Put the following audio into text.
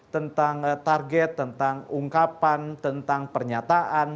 tentang target tentang ungkapan tentang pernyataan